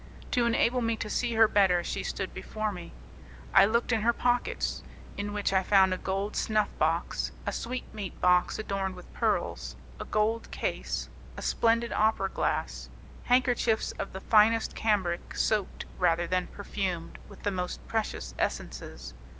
To enable me to see her better she stood before me. I looked in her pockets, in which I found a gold snuff box, a sweetmeat box adorned with pearls, a gold case, a splendid opera glass, handkerchiefs of the finest cambric, soaked rather than perfumed with the most precious essences.